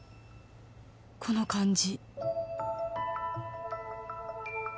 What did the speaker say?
この感じ